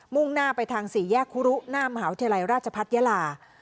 ่งหน้าไปทางสี่แยกคุรุหน้ามหาวิทยาลัยราชพัฒนยาลา